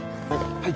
はい。